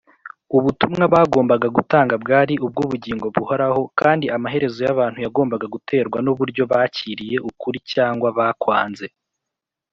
ubutumwa bagombaga gutanga bwari ubw’ubugingo buhoraho, kandi amaherezo y’abantu yagombaga guterwa n’uburyo bakiriye ukuri cyangwa bakwanze